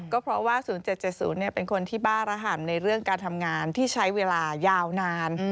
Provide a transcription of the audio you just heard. ก็เพราะว่า๐๗๗๐เป็นคนที่บ้าระห่ำในเรื่องการทำงานที่ใช้เวลายาวนาน